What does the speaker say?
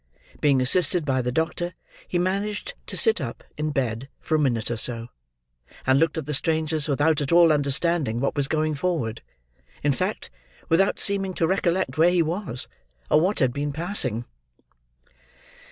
Being assisted by the doctor, he managed to sit up in bed for a minute or so; and looked at the strangers without at all understanding what was going forward—in fact, without seeming to recollect where he was, or what had been passing.